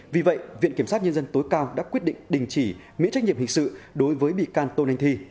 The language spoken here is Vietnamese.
vì vậy viện kiểm sát nhân dân tối cao đã quyết định đình chỉ miễn trách nhiệm hình sự đối với bị can tôn anh thi